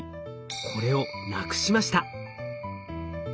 これをなくしました。